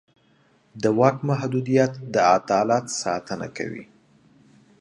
د واک محدودیت د عدالت ساتنه کوي